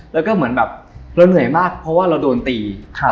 เสร็จปุ๊บและเรามันเหมือนเหนื่อยมากเพราะว่าเราโดนตี